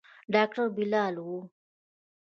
ډاکتر بلال و.